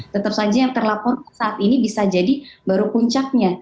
tetap saja yang terlapor saat ini bisa jadi baru puncaknya